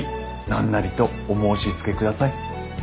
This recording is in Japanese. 何なりとお申しつけください。